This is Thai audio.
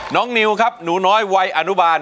นิวครับหนูน้อยวัยอนุบาล